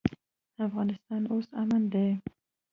افغانستان اوس امن دی.